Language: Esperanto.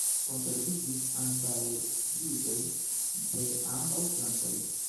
Konserviĝis antaŭjuĝoj de ambaŭ flankoj.